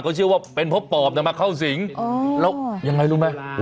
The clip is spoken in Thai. เขาเชื่อว่าเป็นเพราะปอบมาเข้าสิงแล้วยังไงรู้ไหม